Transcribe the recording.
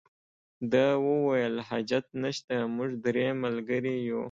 ده وویل حاجت نشته موږ درې ملګري یو.